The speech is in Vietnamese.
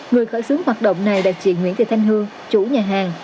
người khởi xướng hoạt động này là chị nguyễn thị thanh hương chủ nhà hàng